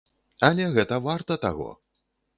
Але гэта варта таго!